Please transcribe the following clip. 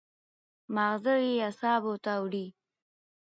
مازغه ئې اعصابو ته وړي